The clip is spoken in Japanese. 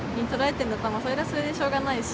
それはそれでしょうがないし。